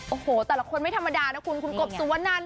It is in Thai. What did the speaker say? โอ้โหแต่ละคนไม่ธรรมดานะคุณคุณกบสุวนัน